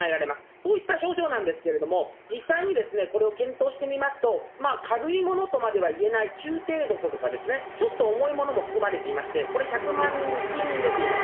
そういった症状なんですけれども、実際にこれを検討してみますと、軽いものとまではいえない、中程度とか、ちょっと重いものも含まれていまして、これ１００万人に数人出ています。